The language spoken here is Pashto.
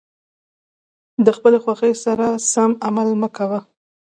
د خپلې خوښې سره سم عمل مه کوه.